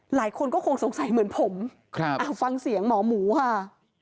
หลายคนก็คงสงสัยเหมือนผมฟังเสียงหมอหมูค่ะ